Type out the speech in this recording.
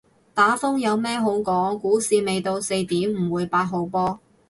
打風有咩好講，股市未到四點唔會八號波